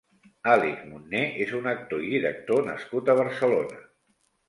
Àlex Monner és un actor i director nascut a Barcelona.